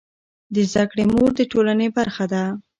د زده کړې مور د ټولنې برخه ده.